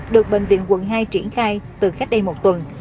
được bệnh viện quận hai triển khai từ cách đây một tuần